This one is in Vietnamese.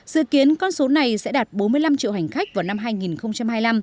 dự kiến con số này sẽ đạt bốn mươi năm triệu hành khách vào năm hai nghìn hai mươi năm